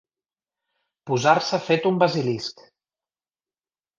Posar-se fet un basilisc.